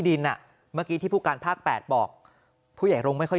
อ่ะเมื่อกี้ที่ผู้การภาค๘บอกผู้ใหญ่โรงไม่ค่อย